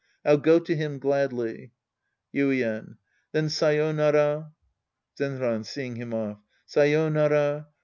I'll go to him gladly. Yuien. Then sayonara. Zenran {seeing him off). Sayonara.